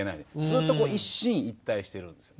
ずっと一進一退してるんです。